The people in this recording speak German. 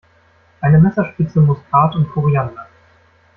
Eine Messerspitze Muskat und Koriander.